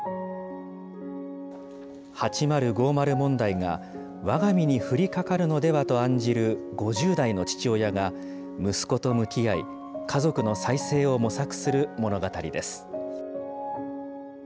８０５０問題が、わが身に降りかかるのではと案じる５０代の父親が、息子と向き合い、家族の再生を模索する物語です。